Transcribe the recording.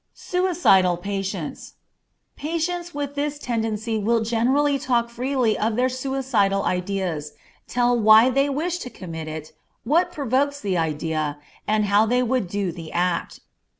Suicidal Patients. Patients with this tendency will generally talk freely of their suicidal ideas, tell why they wish to commit it, what provokes the idea, and how they would do the act.